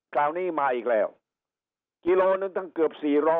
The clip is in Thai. คราวนี้มาอีกแล้วกิโลนึงตั้งเกือบ๔๐๐